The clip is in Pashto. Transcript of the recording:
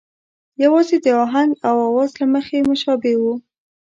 یوازې د آهنګ او آواز له مخې مشابه وو.